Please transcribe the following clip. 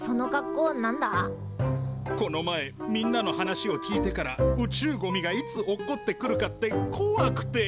この前みんなの話を聞いてから宇宙ゴミがいつ落っこってくるかってこわくて。